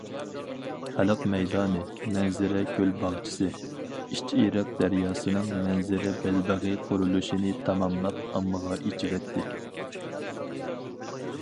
خەلق مەيدانى، مەنزىرە كۆل باغچىسى، ئىچئېرىق دەرياسىنىڭ مەنزىرە بەلبېغى قۇرۇلۇشىنى تاماملاپ ئاممىغا ئېچىۋەتتى.